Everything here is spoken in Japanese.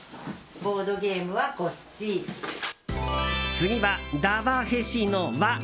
次は「だ・わ・へ・し」の「わ」。